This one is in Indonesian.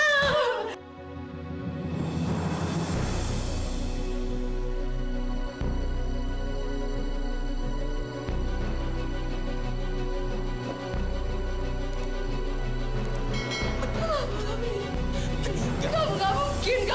mama sudah meninggal